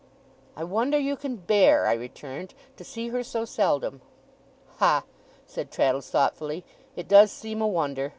'I wonder you can bear,' I returned, 'to see her so seldom.' 'Hah!' said Traddles, thoughtfully. 'It does seem a wonder.